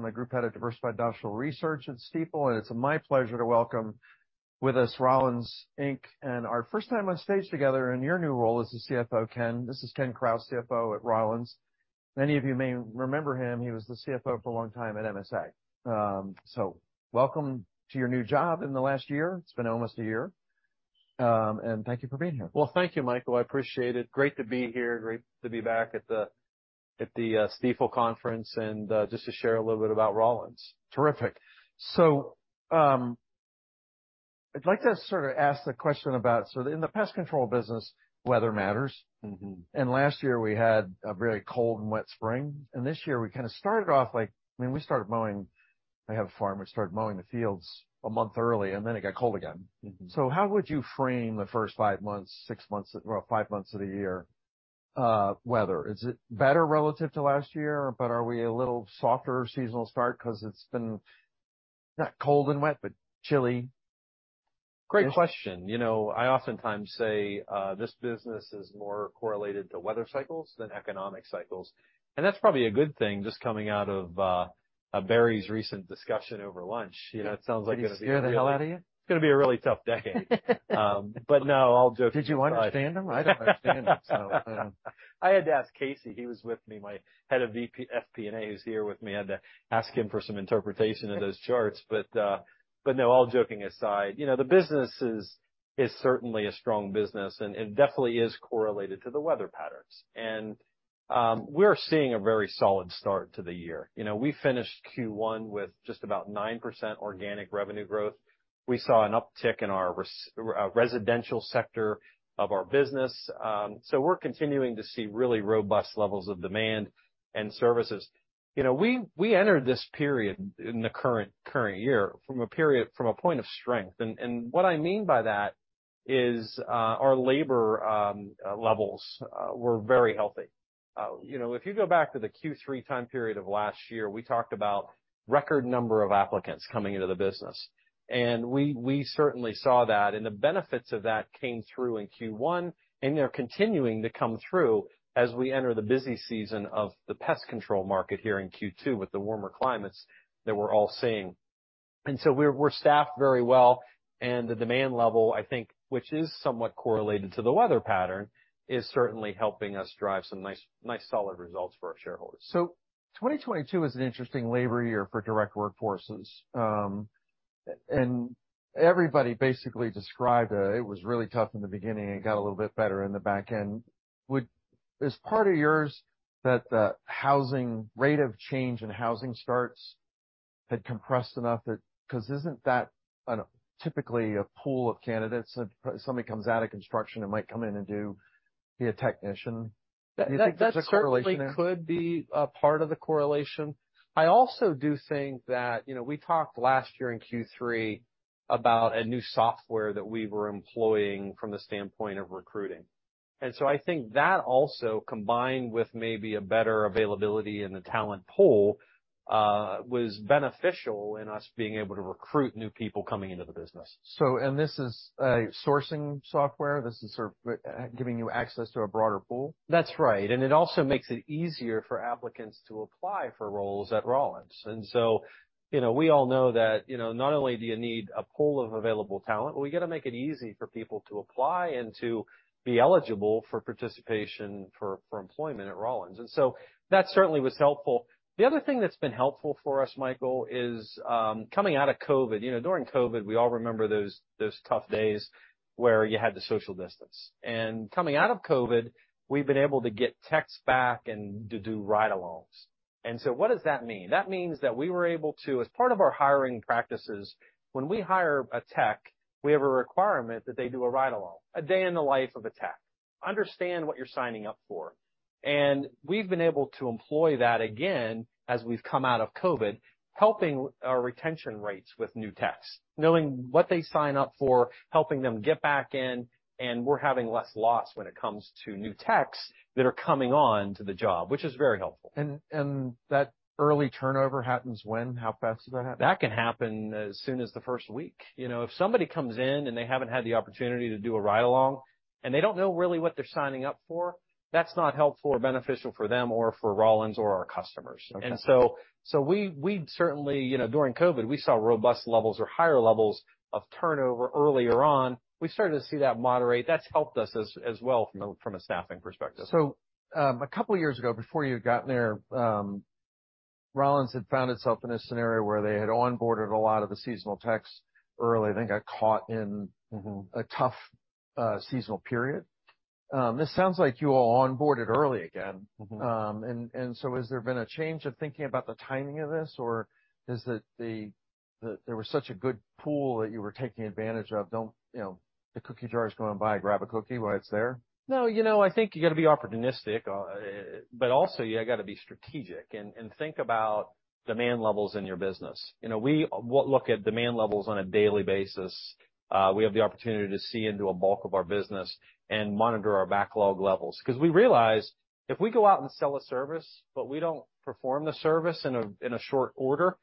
I'm the Group Head of Diversified Industrials Research at Stifel. It's my pleasure to welcome with us Rollins, Inc. Our first time on stage together in your new role as the CFO, Ken. This is Ken Krause, CFO at Rollins. Many of you may remember him. He was the CFO for a long time at MSA. So welcome to your new job in the last year. It's been almost a year, and thank you for being here. Well, thank you, Michael. I appreciate it. Great to be here. Great to be back at the Stifel conference, and just to share a little bit about Rollins. Terrific. I'd like to sort of ask the question in the pest control business, weather matters. Mm-hmm. Last year we had a very cold and wet spring, and this year we kind of started off, like, I mean, I have a farm. We started mowing the fields a month early, and then it got cold again. Mm-hmm. How would you frame the first five months, six months, well, five months of the year, weather? Is it better relative to last year, but are we a little softer seasonal start 'cause it's been not cold and wet, but chilly? Great question. You know, I oftentimes say, this business is more correlated to weather cycles than economic cycles. That's probably a good thing, just coming out of a very recent discussion over lunch. You know, it sounds like- Did he scare the hell out of you? It's gonna be a really tough decade. No, all joking- Did you understand him? I don't understand him, so. I had to ask Casey. He was with me. My Head of VP, FP&A, who's here with me, I had to ask him for some interpretation of those charts. No, all joking aside, you know, the business is certainly a strong business, it definitely is correlated to the weather patterns. We're seeing a very solid start to the year. You know, we finished Q1 with just about 9% organic revenue growth. We saw an uptick in our Residential sector of our business. We're continuing to see really robust levels of demand and services. You know, we entered this period in the current year from a period, from a point of strength. What I mean by that is our labor levels were very healthy. You know, if you go back to the Q3 time period of last year, we talked about record number of applicants coming into the business, and we certainly saw that, and the benefits of that came through in Q1, and they're continuing to come through as we enter the busy season of the pest control market here in Q2, with the warmer climates that we're all seeing. So we're staffed very well, and the demand level, I think, which is somewhat correlated to the weather pattern, is certainly helping us drive some nice, solid results for our shareholders. 2022 is an interesting labor year for direct workforces. Everybody basically described it was really tough in the beginning, and it got a little bit better in the back end. Is part of yours that the housing, rate of change in housing starts had compressed enough that? 'Cause isn't that, typically a pool of candidates, that somebody comes out of construction and might come in and do, be a technician? That Do you think there's a correlation there? certainly could be a part of the correlation. I also do think that, you know, we talked last year in Q3 about a new software that we were employing from the standpoint of recruiting, and so I think that also combined with maybe a better availability in the talent pool, was beneficial in us being able to recruit new people coming into the business. This is a sourcing software? This is sort of, giving you access to a broader pool? That's right. It also makes it easier for applicants to apply for roles at Rollins. You know, we all know that, you know, not only do you need a pool of available talent, but we got to make it easy for people to apply and to be eligible for participation for employment at Rollins, and so that certainly was helpful. The other thing that's been helpful for us, Michael, is coming out of COVID. You know, during COVID, we all remember those tough days where you had to social distance, and coming out of COVID, we've been able to get techs back and to do ride-alongs. What does that mean? That means that we were able to, as part of our hiring practices, when we hire a tech, we have a requirement that they do a ride-along, a day in the life of a tech. Understand what you're signing up for. We've been able to employ that again, as we've come out of COVID, helping our retention rates with new techs, knowing what they sign up for, helping them get back in, and we're having less loss when it comes to new techs that are coming on to the job, which is very helpful. That early turnover happens when? How fast does that happen? That can happen as soon as the first week. You know, if somebody comes in and they haven't had the opportunity to do a ride-along, and they don't know really what they're signing up for, that's not helpful or beneficial for them or for Rollins or our customers. Okay. We certainly, you know, during COVID, we saw robust levels or higher levels of turnover earlier on. We started to see that moderate. That's helped us as well from a staffing perspective. A couple of years ago, before you got there, Rollins had found itself in a scenario where they had onboarded a lot of the seasonal techs early, then got caught in Mm-hmm... a tough, seasonal period. This sounds like you all onboarded early again. Mm-hmm. Has there been a change of thinking about the timing of this, or is it there was such a good pool that you were taking advantage of, don't, you know, the cookie jar is going by, grab a cookie while it's there? No, you know, I think you got to be opportunistic, but also you got to be strategic and think about demand levels in your business. You know, we look at demand levels on a daily basis. We have the opportunity to see into a bulk of our business and monitor our backlog levels. 'Cause we realize if we go out and sell a service, but we don't perform the service in a short order...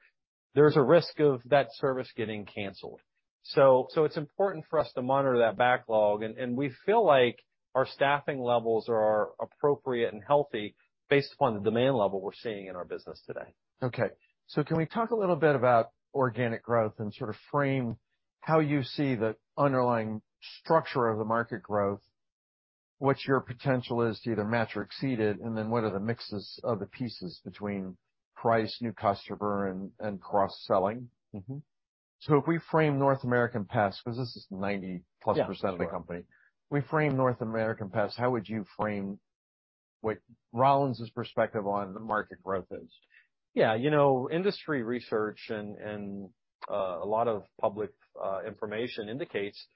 there's a risk of that service getting canceled. It's important for us to monitor that backlog, and we feel like our staffing levels are appropriate and healthy based upon the demand level we're seeing in our business today. Can we talk a little bit about organic growth and sort of frame how you see the underlying structure of the market growth? What your potential is to either match or exceed it, and then what are the mixes of the pieces between price, new customer and cross-selling? Mm-hmm. If we frame North American pest, because this is 90%+. Yeah, sure. of the company. We frame North American pest, how would you frame what Rollins's perspective on the market growth is? Yeah, you know, industry research and, a lot of public information indicates that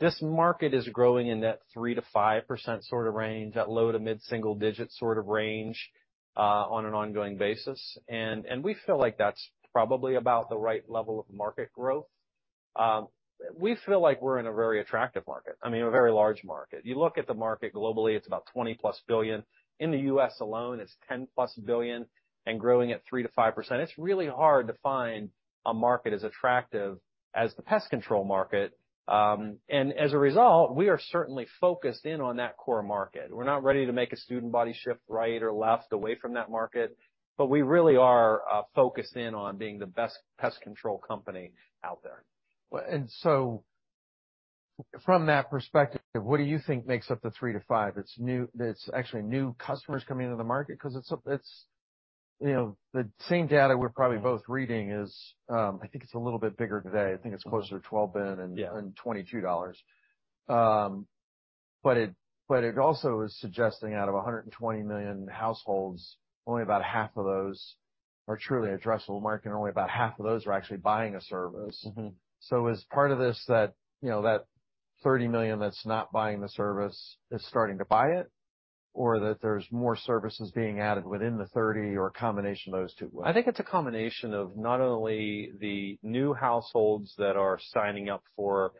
this market is growing in that 3%-5% sort of range, that low to mid-single digit sort of range, on an ongoing basis. We feel like that's probably about the right level of market growth. We feel like we're in a very attractive market, I mean, a very large market. You look at the market globally, it's about $20+ billion. In the U.S. alone, it's $10+ billion and growing at 3%-5%. It's really hard to find a market as attractive as the pest control market. As a result, we are certainly focused in on that core market. We're not ready to make a student body shift right or left away from that market, but we really are focused in on being the best pest control company out there. From that perspective, what do you think makes up the 3-5? It's actually new customers coming into the market? Because you know, the same data we're probably both reading is, I think it's a little bit bigger today. I think it's closer to $12 billion. Yeah. $22. but it also is suggesting out of 120 million households, only about half of those are truly addressable market, and only about half of those are actually buying a service. Mm-hmm. Is part of this that, you know, that 30 million that's not buying the service is starting to buy it, or that there's more services being added within the 30, or a combination of those two? I think it's a combination of not only the new households that are signing up for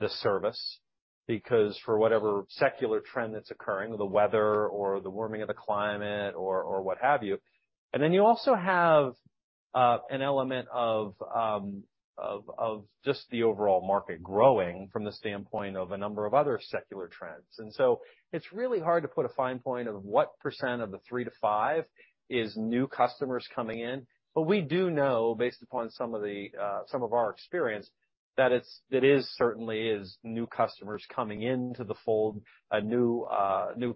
the service, because for whatever secular trend that's occurring, the weather or the warming of the climate or what have you. You also have an element of just the overall market growing from the standpoint of a number of other secular trends. It's really hard to put a fine point of what percent of the 3%-5% is new customers coming in. We do know, based upon some of the, some of our experience, that it is certainly new customers coming into the fold, a new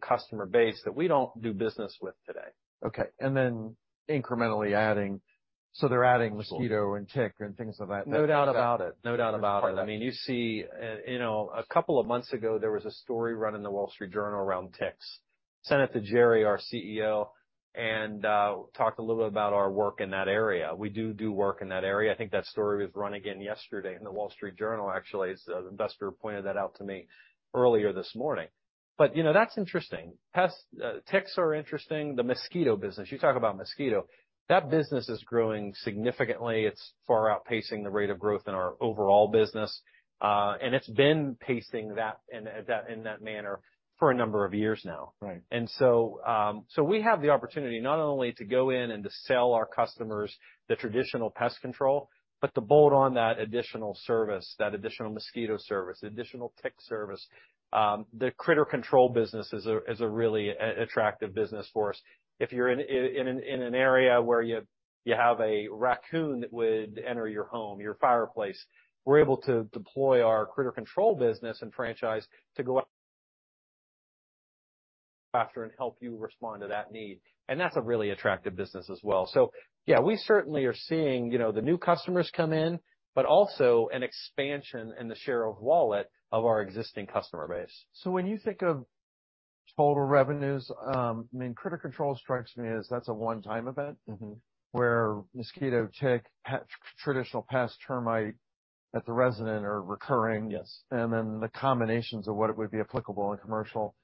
customer base that we don't do business with today. Okay. incrementally adding. Sure mosquito and tick and things of that. No doubt about it. No doubt about it. That's part of it. I mean, you see, you know, a couple of months ago, there was a story run in the Wall Street Journal around ticks. Sent it to Jerry, our CEO. Talked a little bit about our work in that area. We do work in that area. I think that story was run again yesterday in the Wall Street Journal. Actually, as an investor pointed that out to me earlier this morning. You know, that's interesting. Pests, ticks are interesting. The mosquito business, you talk about mosquito, that business is growing significantly. It's far outpacing the rate of growth in our overall business. It's been pacing that in that manner for a number of years now. Right. We have the opportunity not only to go in and to sell our customers the traditional pest control, but to bolt on that additional service, that additional mosquito service, additional tick service. The Critter Control business is a really attractive business for us. If you're in an area where you have a raccoon that would enter your home, your fireplace, we're able to deploy our Critter Control business and franchise to go out after and help you respond to that need. That's a really attractive business as well. Yeah, we certainly are seeing, you know, the new customers come in, but also an expansion in the share of wallet of our existing customer base. When you think of total revenues, I mean, Critter Control strikes me as that's a one-time event. Mm-hmm. where mosquito, tick, traditional pest, termite at the resident are recurring. Yes. The combinations of what it would be applicable in Commercial.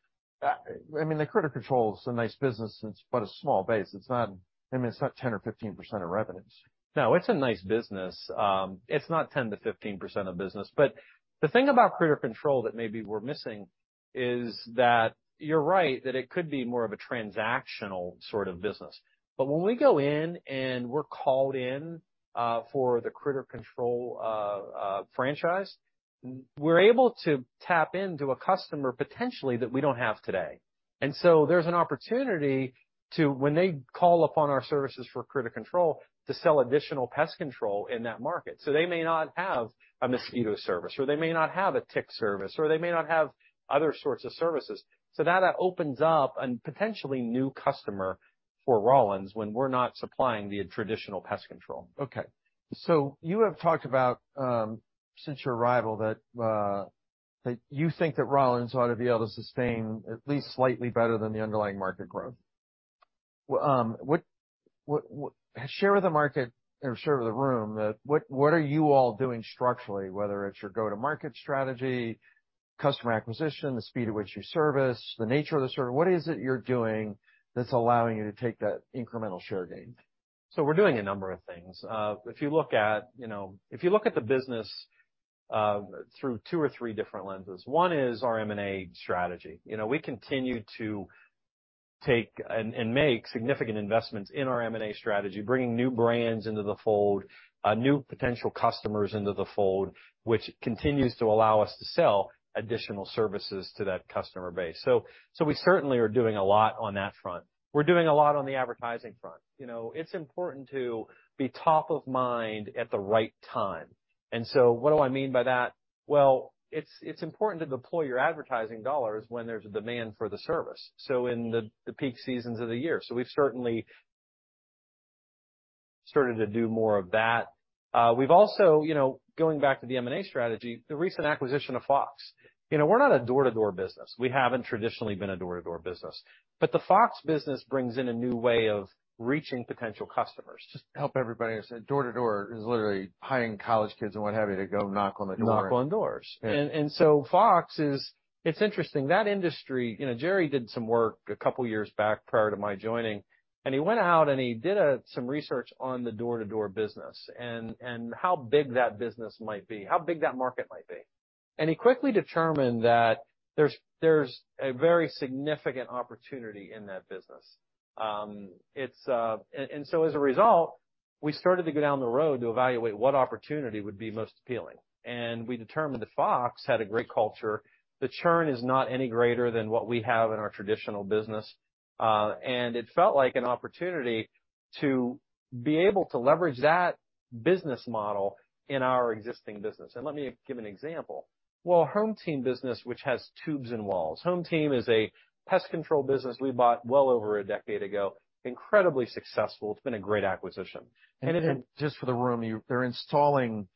I mean, the Critter Control is a nice business, it's but a small base. It's not, I mean, it's not 10% or 15% of revenues. No, it's a nice business. It's not 10%-15% of business. The thing about Critter Control that maybe we're missing is that you're right, that it could be more of a transactional sort of business. When we go in and we're called in for the Critter Control franchise, we're able to tap into a customer potentially that we don't have today. There's an opportunity to, when they call upon our services for Critter Control, to sell additional pest control in that market. They may not have a mosquito service, or they may not have a tick service, or they may not have other sorts of services. That opens up a potentially new customer for Rollins when we're not supplying the traditional pest control. You have talked about since your arrival, that you think that Rollins ought to be able to sustain at least slightly better than the underlying market growth. Share with the market or share with the room, what are you all doing structurally, whether it's your go-to-market strategy, customer acquisition, the speed at which you service, the nature of the service, what is it you're doing that's allowing you to take that incremental share gain? We're doing a number of things. If you look at, you know, if you look at the business through two or three different lenses, one is our M&A strategy. You know, we continue to take and make significant investments in our M&A strategy, bringing new brands into the fold, new potential customers into the fold, which continues to allow us to sell additional services to that customer base. We certainly are doing a lot on that front. We're doing a lot on the advertising front. You know, it's important to be top of mind at the right time. What do I mean by that? Well, it's important to deploy your advertising dollars when there's a demand for the service, so in the peak seasons of the year. We've certainly started to do more of that. We've also, you know, going back to the M&A strategy, the recent acquisition of Fox. You know, we're not a door-to-door business. We haven't traditionally been a door-to-door business. The Fox business brings in a new way of reaching potential customers. Just to help everybody, door-to-door is literally hiring college kids and what have you, to go knock on the door. Knock on doors. Yeah. It's interesting, that industry, you know, Jerry did some work a couple years back prior to my joining, and he went out, and he did some research on the door-to-door business and how big that business might be, how big that market might be. He quickly determined that there's a very significant opportunity in that business. As a result, we started to go down the road to evaluate what opportunity would be most appealing, and we determined that Fox had a great culture. The churn is not any greater than what we have in our traditional business, and it felt like an opportunity to be able to leverage that business model in our existing business. Let me give an example. Well, HomeTeam business, which has Tubes in the Wall. HomeTeam is a pest control business we bought well over a decade ago. Incredibly successful. It's been a great acquisition. Just for the room, they're installing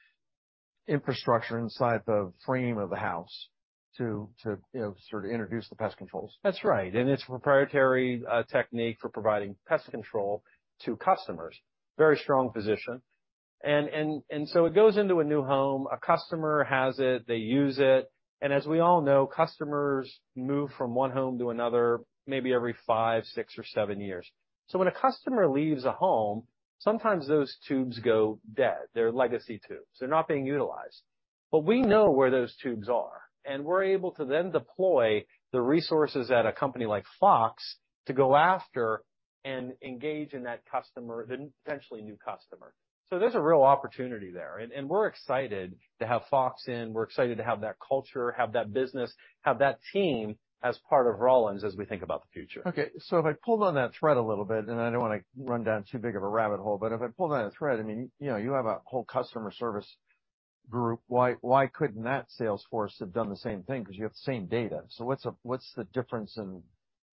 infrastructure inside the frame of the house to, you know, sort of introduce the pest controls. That's right. It's a proprietary technique for providing pest control to customers. Very strong position. It goes into a new home, a customer has it, they use it, and as we all know, customers move from one home to another, maybe every five, six, or seven years. When a customer leaves a home, sometimes those tubes go dead. They're legacy tubes, they're not being utilized. We know where those tubes are, and we're able to then deploy the resources at a company like Fox to go after and engage in that customer, the potentially new customer. There's a real opportunity there, and we're excited to have Fox in. We're excited to have that culture, have that business, have that team as part of Rollins as we think about the future. Okay, if I pulled on that thread a little bit, and I don't wanna run down too big of a rabbit hole. If I pulled on that thread, I mean, you know, you have a whole customer service group. Why couldn't that sales force have done the same thing? Because you have the same data. What's the difference in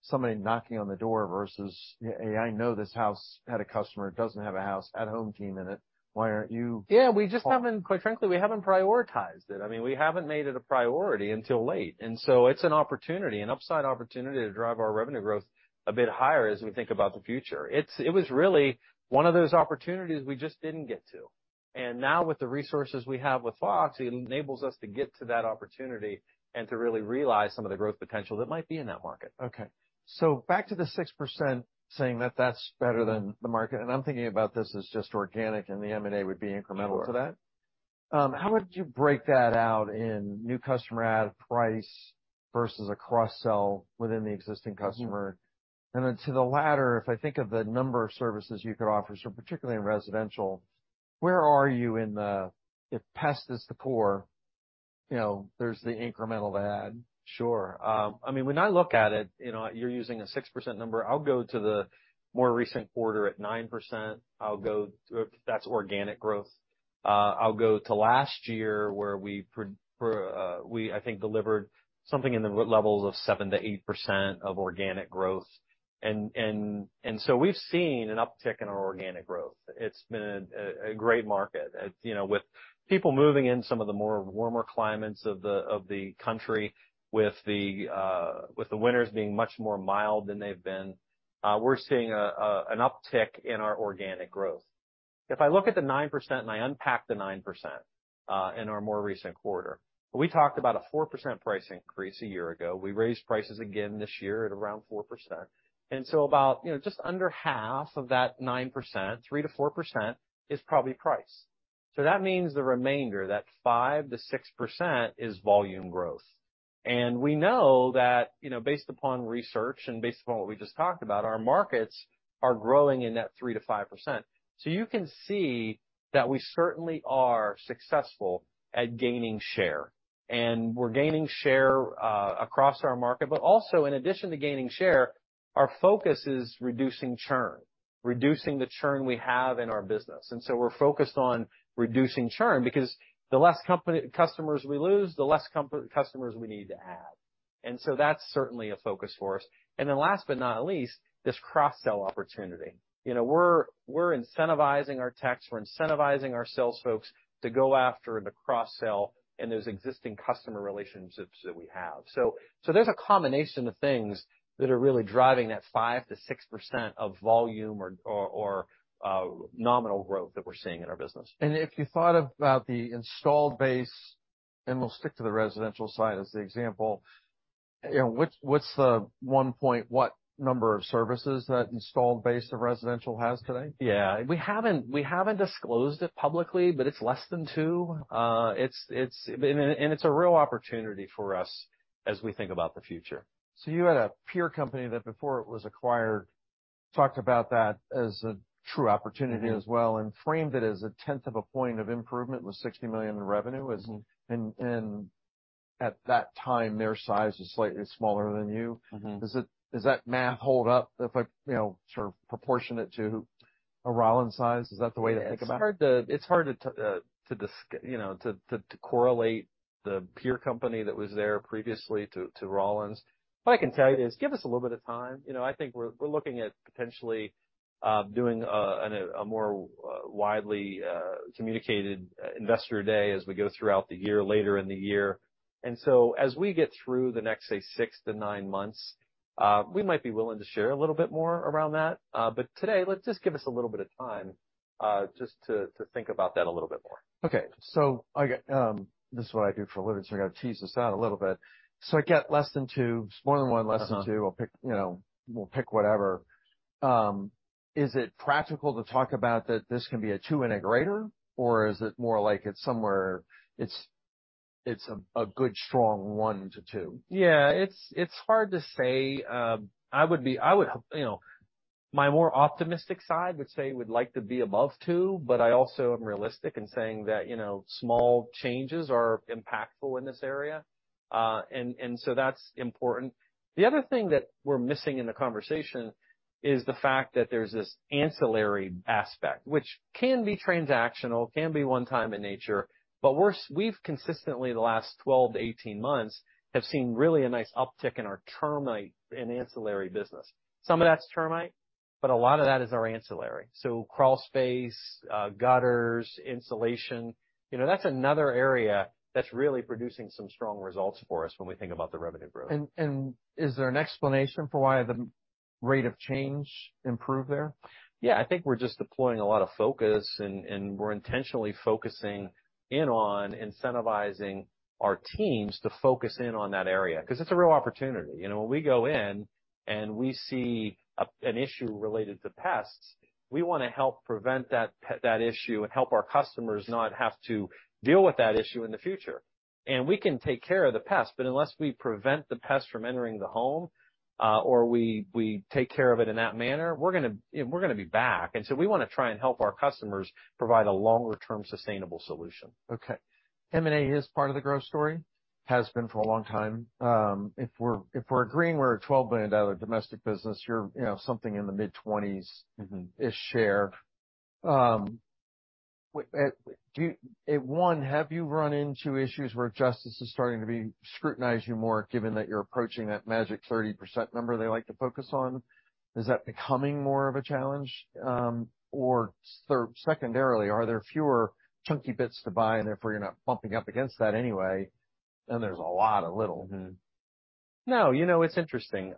somebody knocking on the door versus, "Hey, I know this house had a customer, it doesn't have a house, had HomeTeam in it. Why aren't you-? Yeah, we just haven't, quite frankly, we haven't prioritized it. I mean, we haven't made it a priority until late. It's an opportunity, an upside opportunity, to drive our revenue growth a bit higher as we think about the future. It was really one of those opportunities we just didn't get to. Now with the resources we have with Fox, it enables us to get to that opportunity and to really realize some of the growth potential that might be in that market. Okay. Back to the 6%, saying that that's better than the market, and I'm thinking about this as just organic, and the M&A would be incremental to that. Sure. How would you break that out in new customer add price versus a cross-sell within the existing customer? Mm-hmm. To the latter, if I think of the number of services you could offer, particularly in Residential, where are you in the, if pest is the core, you know, there's the incremental add? Sure. I mean, when I look at it, you know, you're using a 6% number. I'll go to the more recent quarter at 9%. That's organic growth. I'll go to last year, where we, I think, delivered something in the levels of 7%-8% of organic growth. We've seen an uptick in our organic growth. It's been a great market. You know, with people moving in some of the more warmer climates of the country, with the winters being much more mild than they've been, we're seeing an uptick in our organic growth. If I look at the 9%, I unpack the 9%, in our more recent quarter, we talked about a 4% price increase a year ago. We raised prices again this year at around 4%. About, you know, just under half of that 9%, 3%-4% is probably price. That means the remainder, that 5%-6% is volume growth. We know that, you know, based upon research and based upon what we just talked about, our markets are growing in that 3%-5%. So you can see that we certainly are successful at gaining share, and we're gaining share across our market, but also, in addition to gaining share, our focus is reducing churn, reducing the churn we have in our business. We're focused on reducing churn because the less customers we lose, the less customers we need to add. That's certainly a focus for us. Last but not least, this cross-sell opportunity. You know, we're incentivizing our techs, we're incentivizing our sales folks to go after the cross-sell in those existing customer relationships that we have. there's a combination of things that are really driving that 5%-6% of volume or nominal growth that we're seeing in our business. If you thought about the installed base, and we'll stick to the Residential side as the example, you know, what's the one point, what number of services that installed base of Residential has today? Yeah. We haven't disclosed it publicly, but it's less than two. It's and it's a real opportunity for us as we think about the future. You had a peer company that, before it was acquired, talked about that as a true opportunity as well, and framed it as a tenth of a point of improvement with $60 million in revenue. Mm-hmm. At that time, their size was slightly smaller than you. Mm-hmm. Does that math hold up if I, you know, sort of proportion it to a Rollins size? Is that the way to think about it? It's hard to, you know, to correlate the peer company that was there previously to Rollins. What I can tell you is, give us a little bit of time. You know, I think we're looking at potentially doing a more widely communicated investor day as we go throughout the year, later in the year. As we get through the next, say, six to nine months, we might be willing to share a little bit more around that. Today, let's just give us a little bit of time just to think about that a little bit more. Okay. I get, this is what I do for a living, so I gotta tease this out a little bit. I get less than two, it's more than one, less than two. Mm-hmm. I'll pick, you know, we'll pick whatever. Is it practical to talk about that this can be a two integrator, or is it more like it's somewhere, it's a good, strong one to two? Yeah. It's hard to say. You know, my more optimistic side would say we'd like to be above two. I also am realistic in saying that, you know, small changes are impactful in this area. That's important. The other thing that we're missing in the conversation is the fact that there's this Ancillary aspect, which can be transactional, can be one time in nature. We've consistently, the last 12-18 months, have seen really a nice uptick in our Termite and Ancillary business. Some of that's Termite. A lot of that is our ancillary, crawl space, gutters, insulation. You know, that's another area that's really producing some strong results for us when we think about the revenue growth. Is there an explanation for why the rate of change improved there? I think we're just deploying a lot of focus, we're intentionally focusing in on incentivizing our teams to focus in on that area. It's a real opportunity. You know, when we go in and we see an issue related to pests, we wanna help prevent that issue and help our customers not have to deal with that issue in the future. We can take care of the pest, but unless we prevent the pest from entering the home, or we take care of it in that manner, we're gonna be back. We wanna try and help our customers provide a longer-term sustainable solution. Okay. M&A is part of the growth story, has been for a long time. If we're agreeing we're a $12 billion domestic business, you're, you know, something in the mid-twenties. Mm-hmm -ish share. One, have you run into issues where Justice is starting to scrutinize you more, given that you're approaching that magic 30% number they like to focus on? Is that becoming more of a challenge? Secondarily, are there fewer chunky bits to buy, and therefore you're not bumping up against that anyway, and there's a lot of little? No, you know, it's interesting.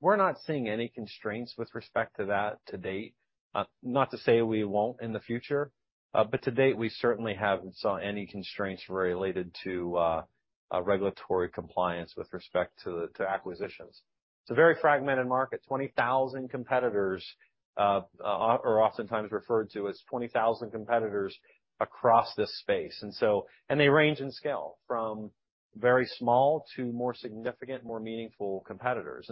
We're not seeing any constraints with respect to that to date. Not to say we won't in the future, but to date, we certainly haven't saw any constraints related to a regulatory compliance with respect to acquisitions. It's a very fragmented market. 20,000 competitors are oftentimes referred to as 20,000 competitors across this space. They range in scale from very small to more significant, more meaningful competitors.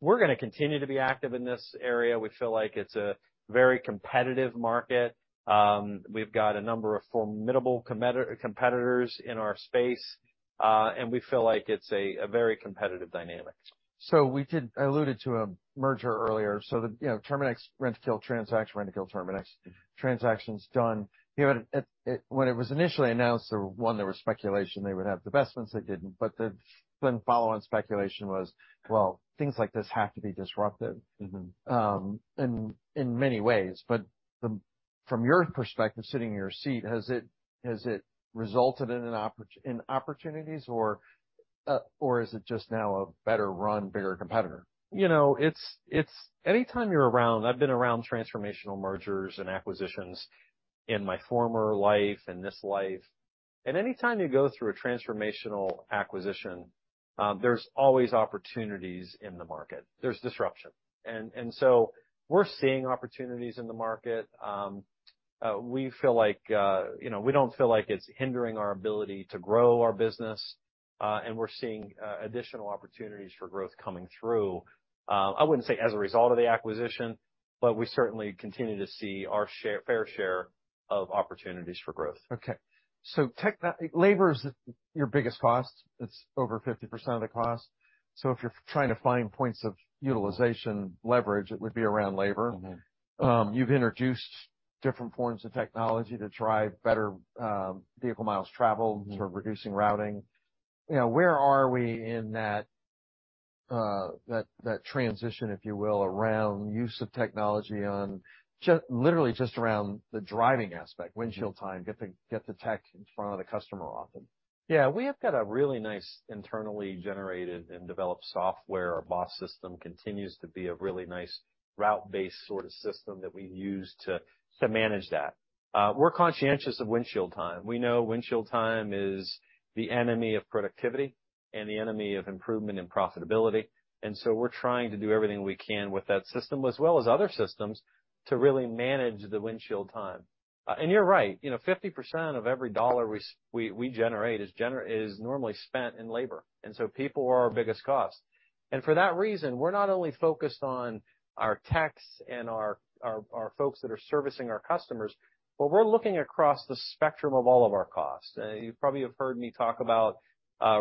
We're gonna continue to be active in this area. We feel like it's a very competitive market. We've got a number of formidable competitors in our space, and we feel like it's a very competitive dynamic. We did. I alluded to a merger earlier. The, you know, Terminix-Rentokil transaction, Rentokil-Terminix transaction's done. You know, it, when it was initially announced, there was speculation they would have divestments, they didn't. The then follow-on speculation was, well, things like this have to be disruptive. Mm-hmm... in many ways. From your perspective, sitting in your seat, has it resulted in opportunities or is it just now a better run, bigger competitor? You know, it's anytime you're around. I've been around transformational mergers and acquisitions in my former life and this life, and anytime you go through a transformational acquisition, there's always opportunities in the market. There's disruption. We're seeing opportunities in the market. We feel like, you know, we don't feel like it's hindering our ability to grow our business, and we're seeing additional opportunities for growth coming through. I wouldn't say as a result of the acquisition, but we certainly continue to see our fair share of opportunities for growth. Okay. Labor is your biggest cost. It's over 50% of the cost. If you're trying to find points of utilization leverage, it would be around labor. Mm-hmm. You've introduced different forms of technology to drive better, vehicle miles traveled. Mm-hmm sort of reducing routing. You know, where are we in that transition, if you will, around use of technology on just, literally just around the driving aspect, windshield time, get the tech in front of the customer often? Yeah. We have got a really nice internally generated and developed software. Our BOSS system continues to be a really nice route-based sort of system that we use to manage that. We're conscientious of windshield time. We know windshield time is the enemy of productivity and the enemy of improvement in profitability, and so we're trying to do everything we can with that system, as well as other systems, to really manage the windshield time. You know, 50% of every dollar we generate is normally spent in labor, and so people are our biggest cost. For that reason, we're not only focused on our techs and our folks that are servicing our customers, but we're looking across the spectrum of all of our costs. You probably have heard me talk about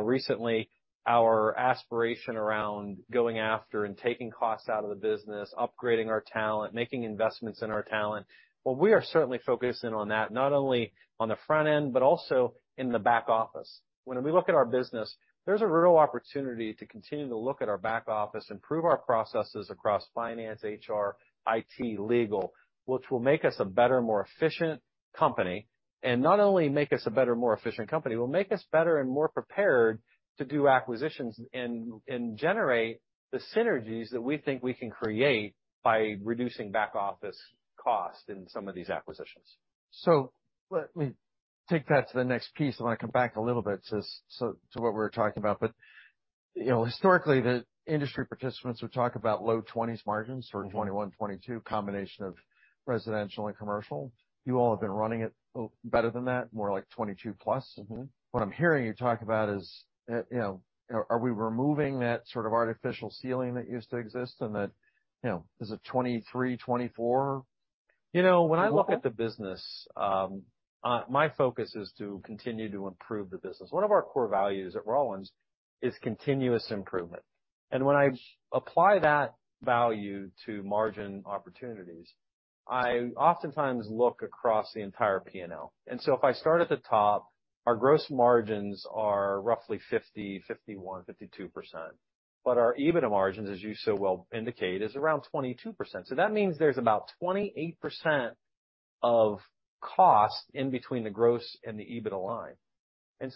recently, our aspiration around going after and taking costs out of the business, upgrading our talent, making investments in our talent. We are certainly focusing on that, not only on the front end, but also in the back office. When we look at our business, there's a real opportunity to continue to look at our back office, improve our processes across finance, HR, IT, legal, which will make us a better, more efficient company. Not only make us a better, more efficient company, will make us better and more prepared to do acquisitions and generate the synergies that we think we can create by reducing back office cost in some of these acquisitions. Let me take that to the next piece. I wanna come back a little bit to what we were talking about. You know, historically, the industry participants would talk about low 20s margins for 21, 22, combination of Residential and Commercial. You all have been running it better than that, more like 22+. Mm-hmm. What I'm hearing you talk about is, you know, are we removing that sort of artificial ceiling that used to exist and that, you know, is it 23, 24? You know, when I look at the business, my focus is to continue to improve the business. One of our core values at Rollins is continuous improvement, and when I apply that value to margin opportunities, I oftentimes look across the entire P&L. If I start at the top, our gross margins are roughly 50%-52%. Our EBITDA margins, as you so well indicate, is around 22%. That means there's about 28% of cost in between the gross and the EBITDA line.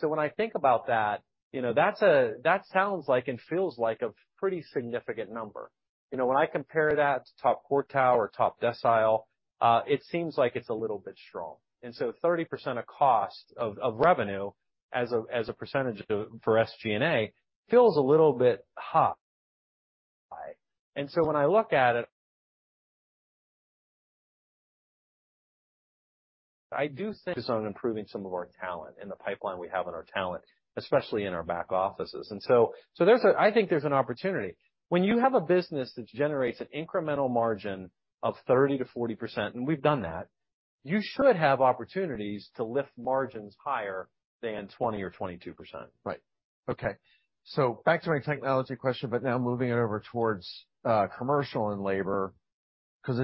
When I think about that, you know, that sounds like and feels like a pretty significant number. You know, when I compare that to top quartile or top decile, it seems like it's a little bit strong. 30% of cost of revenue as a percentage for SG&A, feels a little bit high. When I look at it, I do think it's on improving some of our talent and the pipeline we have in our talent, especially in our back offices. I think there's an opportunity. When you have a business that generates an incremental margin of 30%-40%, and we've done that, you should have opportunities to lift margins higher than 20% or 22%. Right. Okay, back to my technology question, now moving it over towards commercial and labor, 'cause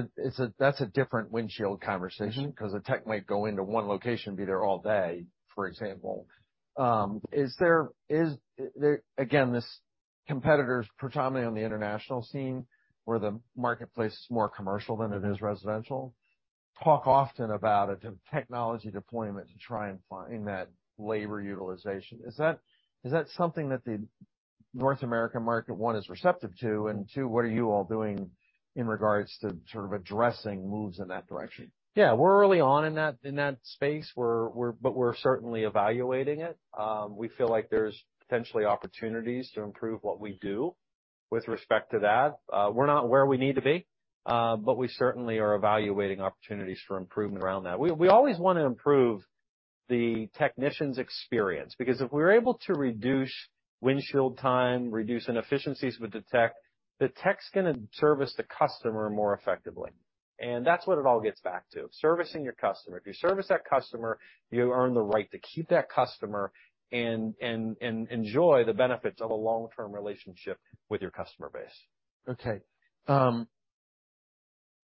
that's a different windshield conversation. Mm-hmm. 'cause the tech might go into one location and be there all day, for example. Is there again, this competitors, predominantly on the international scene, where the marketplace is more Commercial than it is Residential, talk often about a technology deployment to try and find that labor utilization. Is that something that the North American market, one, is receptive to, and two, what are you all doing in regards to sort of addressing moves in that direction? We're early on in that, in that space. We're certainly evaluating it. We feel like there's potentially opportunities to improve what we do with respect to that. We're not where we need to be, but we certainly are evaluating opportunities for improvement around that. We always wanna improve the technician's experience, because if we're able to reduce windshield time, reduce inefficiencies with the tech, the tech's gonna service the customer more effectively. That's what it all gets back to, servicing your customer. If you service that customer, you earn the right to keep that customer and enjoy the benefits of a long-term relationship with your customer base. Okay.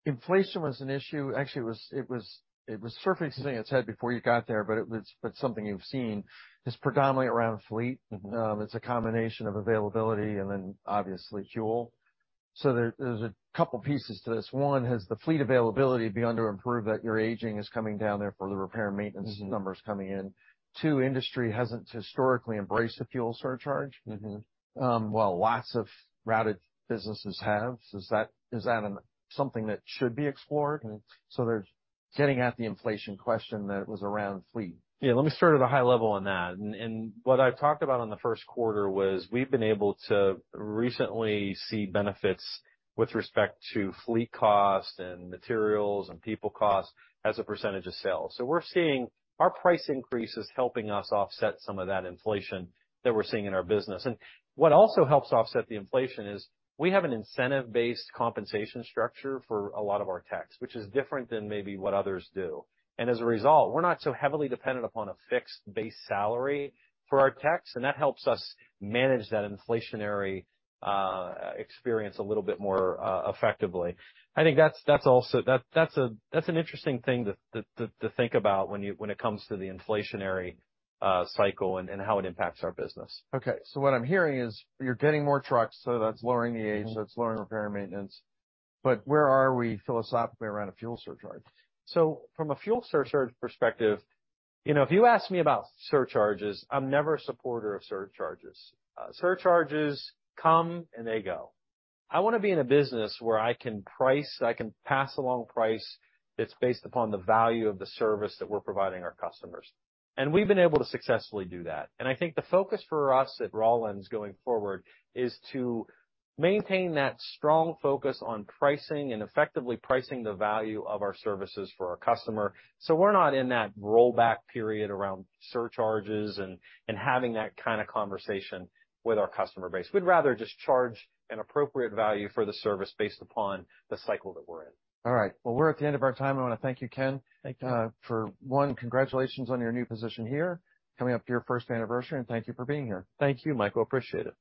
Inflation was an issue. Actually, it was surfacing its head before you got there, but something you've seen, is predominantly around fleet. Mm-hmm. It's a combination of availability and then obviously fuel. There's a couple pieces to this. One, has the fleet availability begun to improve, that your aging is coming down there for the repair and maintenance. Mm-hmm. numbers coming in? Two, industry hasn't historically embraced a fuel surcharge. Mm-hmm. While lots of routed businesses have. Is that something that should be explored? There's getting at the inflation question that it was around fleet. Let me start at a high level on that, and what I've talked about in the first quarter was, we've been able to recently see benefits with respect to fleet cost and materials and people cost as a percentage of sales. We're seeing our price increases helping us offset some of that inflation that we're seeing in our business. What also helps offset the inflation is, we have an incentive-based compensation structure for a lot of our techs, which is different than maybe what others do. As a result, we're not so heavily dependent upon a fixed base salary for our techs, and that helps us manage that inflationary experience a little bit more effectively. I think that's also... That's an interesting thing to think about when it comes to the inflationary cycle and how it impacts our business. Okay, what I'm hearing is, you're getting more trucks, so that's lowering the age... Mm-hmm. that's lowering repair and maintenance. Where are we philosophically around a fuel surcharge? From a fuel surcharge perspective, you know, if you ask me about surcharges, I'm never a supporter of surcharges. Surcharges come, and they go. I wanna be in a business where I can price, I can pass along price that's based upon the value of the service that we're providing our customers, and we've been able to successfully do that. I think the focus for us at Rollins going forward, is to maintain that strong focus on pricing and effectively pricing the value of our services for our customer. We're not in that rollback period around surcharges and having that kind of conversation with our customer base. We'd rather just charge an appropriate value for the service based upon the cycle that we're in. All right. Well, we're at the end of our time. I wanna thank you, Ken. Thank you. For one, congratulations on your new position here, coming up to your first anniversary, and thank you for being here. Thank you, Michael. Appreciate it.